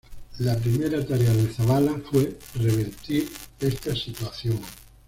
La primera tarea de Zabala fue revertir esta situación.